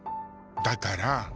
だから。